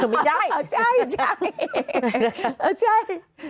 ไม่ใช่